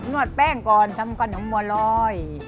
วดแป้งก่อนทำขนมบัวลอย